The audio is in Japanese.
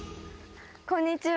こんにちは。